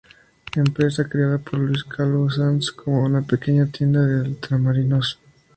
Empresa creada por Luis Calvo Sanz como una pequeña tienda de ultramarinos.